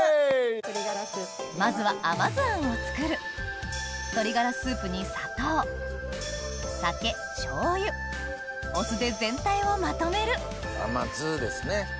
まずは甘酢餡を作る鶏ガラスープに砂糖お酢で全体をまとめる甘酢ですね。